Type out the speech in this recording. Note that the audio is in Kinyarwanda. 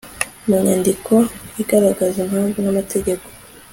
mu nyandiko igaragaza impamvu n amategeko